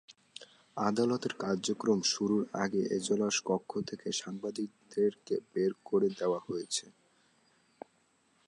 আদালতের কার্যক্রম শুরুর আগে এজলাসকক্ষ থেকে সাংবাদিকদের বের করে দেওয়া হয়েছে।